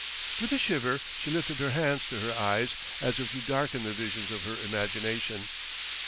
With a shiver she lifted her hands to her eyes as if to darken the visions of her imagination.